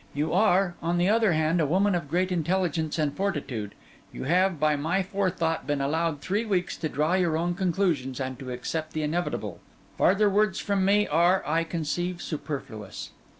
You are, on the other hand, a woman of great intelligence and fortitude: you have, by my forethought, been allowed three weeks to draw your own conclusions and to accept the inevitable. Farther words from me are, I conceive, superfluous.